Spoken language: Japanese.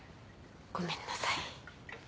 ごめんなさい。